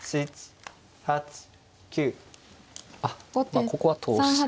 あっここは通して。